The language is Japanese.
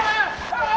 ああ！